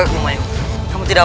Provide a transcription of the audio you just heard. buat kami illness warma denganku